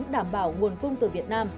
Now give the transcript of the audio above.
đảm bảo nguồn cung từ việt nam